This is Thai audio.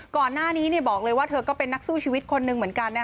ก่อนหน้านี้บอกเลยว่าเธอก็เป็นนักสู้ชีวิตคนหนึ่งเหมือนกัน